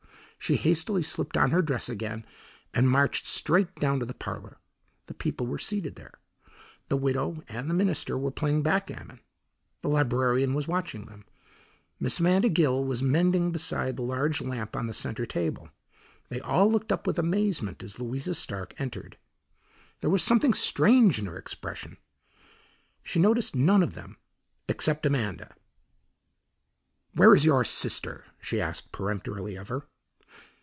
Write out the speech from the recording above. She hastily slipped on her dress again and marched straight down to the parlour. The people were seated there; the widow and the minister were playing backgammon. The librarian was watching them. Miss Amanda Gill was mending beside the large lamp on the centre table. They all looked up with amazement as Louisa Stark entered. There was something strange in her expression. She noticed none of them except Amanda. "Where is your sister?" she asked peremptorily of her.